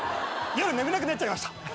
夜眠れなくなっちゃいました。